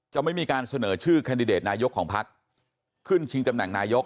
ไม่มีการเสนอชื่อแคนดิเดตนายกของพักขึ้นชิงตำแหน่งนายก